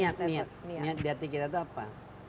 niat niat niat di hati kita itu apa